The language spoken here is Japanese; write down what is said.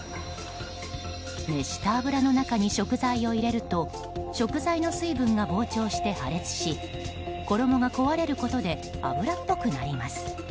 熱した油の中に食材を入れると食材の水分が膨張して破裂し衣が壊れることで油っぽくなります。